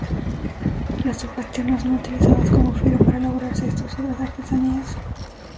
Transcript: Las hojas tiernas son utilizadas como fibra para elaborar cestos y otras artesanías.